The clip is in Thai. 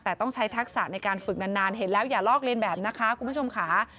แต่ต้องใช้ทักษะในการฝึกนานเห็นแล้วอย่าลอกเรียนแบบนะคะคุณผู้ชมค่ะ